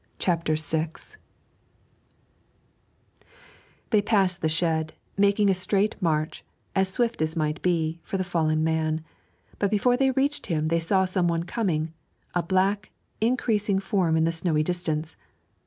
CHAPTER VI They passed the shed, making a straight march, as swift as might be, for the fallen man; but before they reached him they saw some one coming, a black, increasing form in the snowy distance.